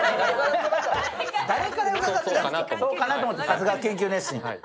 さすが研究熱心。